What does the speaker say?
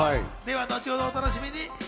後ほど、お楽しみに。